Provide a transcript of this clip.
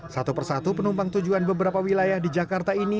satu persatu penumpang tujuan beberapa wilayah di jakarta ini